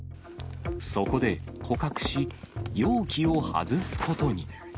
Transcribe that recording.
そこで捕獲し、容器を外すことに。